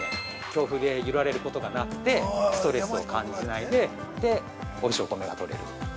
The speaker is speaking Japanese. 強風で揺られることがなくてストレスを感じないでおいしいお米が取れる。